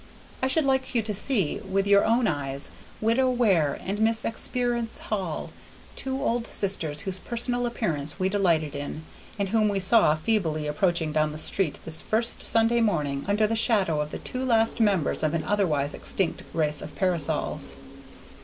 I should like you to see, with your own eyes, Widow Ware and Miss Exper'ence Hull, two old sisters whose personal appearance we delighted in, and whom we saw feebly approaching down the street this first Sunday morning under the shadow of the two last members of an otherwise extinct race of parasols.